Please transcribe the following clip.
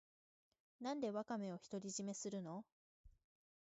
なんでワカメを独り占めするの